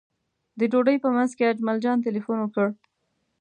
د ډوډۍ په منځ کې اجمل جان تیلفون وکړ.